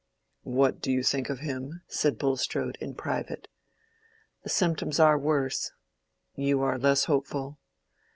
"What do you think of him?" said Bulstrode, in private. "The symptoms are worse." "You are less hopeful?"